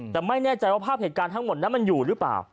แต่ไม่แน่ใจว่าภาพเหตุการณ์ทั้งหมดนั้นมันอยู่หรือเปล่า